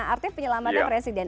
artinya penyelamatan presiden